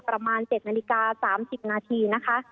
ประมาณ๗นาติกา๓๐นาที